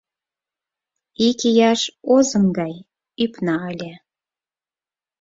Икияш озым гай ӱпна ыле